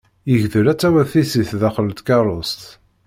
Yegdel ad d-tawiḍ tissit daxel n tkerrust.